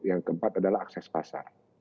yang keempat adalah akses pasar